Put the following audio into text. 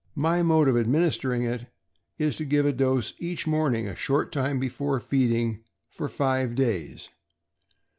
My mode of administering it is to give a dose each morning, a short time before feeding, for five days.